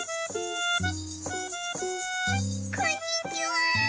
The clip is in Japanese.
こんにちは！